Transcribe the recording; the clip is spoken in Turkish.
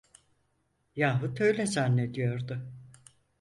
Yahut öyle zannediyordu.